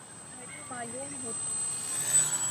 بھری معلوم ہوتی تھی ۔